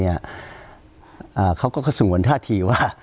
รัฐบาลเขาแถลงเนี่ยอ่าเขาก็ส่งหวันท่าทีว่า